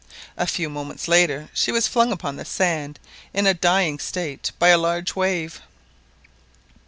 A few moments later, she was flung upon the sand in a dying state by a large wave.